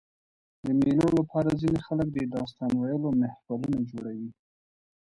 د مېلو له پاره ځيني خلک د داستان ویلو محفلونه جوړوي.